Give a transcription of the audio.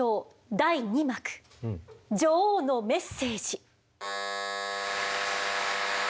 第二幕「女王のメッセージ」。